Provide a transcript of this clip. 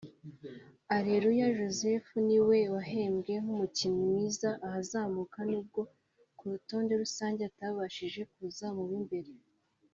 Aleluya Joseph niwe wahembwe nk’umukinnyi mwiza ahazamuka nubwo ku rutonde rusange atabashije kuza mu b’imbere